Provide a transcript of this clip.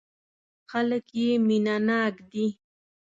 خلک یې مینه ناک دي.